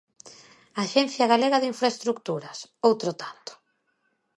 Axencia Galega de Infraestruturas, outro tanto.